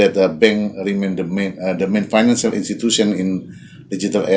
agar bank tetap menjadi institusi finansial utama